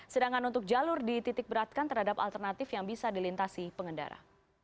sedangkan untuk jalur dititik beratkan terhadap alternatif yang bisa dilintasi pengendara